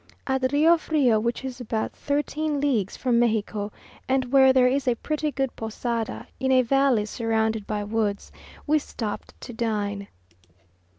At Rio Frio, which is about thirteen leagues from Mexico, and where there is a pretty good posada in a valley surrounded by woods, we stopped to dine.